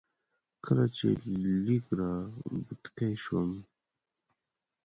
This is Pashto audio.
کله چې لږ را بوتکی شوم.